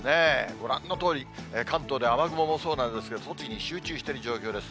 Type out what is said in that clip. ご覧のとおり、関東で雨雲もそうなんですけど、栃木に集中している状況です。